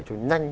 chúng ta nhanh